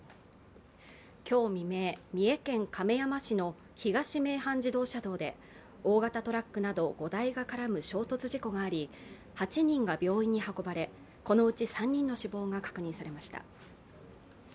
今日未明、三重県亀山市の東名阪自動車道で大型トラックなど５台が絡む衝突事故があり８人が病院に運ばれこのうち３人の死亡が確認されました。